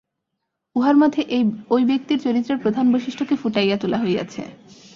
উহার মধ্যে ঐ ব্যক্তির চরিত্রের প্রধান বৈশিষ্ট্যকে ফুটাইয়া তোলা হইয়াছে।